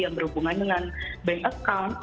yang berhubungan dengan bank account